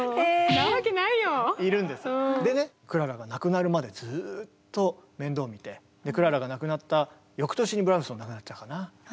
クララが亡くなるまでずっと面倒見てクララが亡くなった翌年にブラームスも亡くなっちゃうかな。